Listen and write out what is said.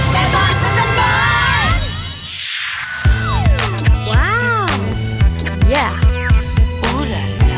แม่บ้านพันธุ์เจ้าบอย